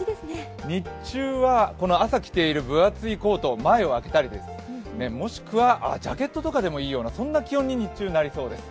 日中は、この朝着ている分厚いコートの前を開けたりもしくはジャケットとかでもいいようなそんな気温に日中はなりそうです。